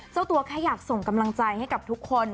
เจ้าตัวแค่อยากส่งกำลังใจให้กับทุกคน